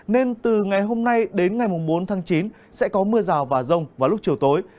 nên từ ngày hôm nay đến ngày bốn tháng chín sẽ có mưa rào và rông vào lúc chiều tối